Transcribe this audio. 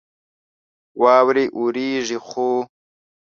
واورې اوريږي ،خو